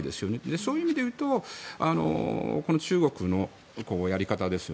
そういう意味で言うとこの中国のやり方